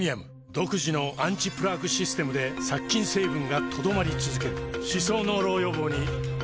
独自のアンチプラークシステムで殺菌成分が留まり続ける歯槽膿漏予防にプレミアム